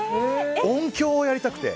音響をやりたくて。